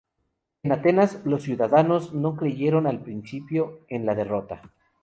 En Atenas, los ciudadanos no creyeron, al principio, en la derrota.